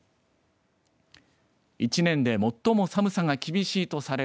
１年で最も寒さが厳しいとされる